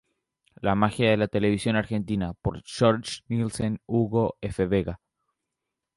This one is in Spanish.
La magia de la televisión argentina, por Jorge Nielsen, Hugo F. Vega.